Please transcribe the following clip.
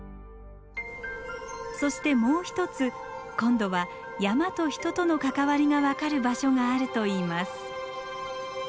そしてもう一つ今度は山と人との関わりが分かる場所があるといいます。